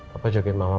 papa jagain mama